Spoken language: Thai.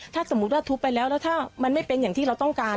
ถ้าสมมุติว่าทุบไปแล้วแล้วถ้ามันไม่เป็นอย่างที่เราต้องการ